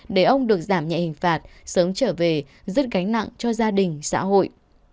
để ông được giảm nhẹ hình phạt sớm trở về rất gánh nặng cho gia đình xã hội